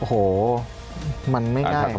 โอ้โหมันไม่ง่าย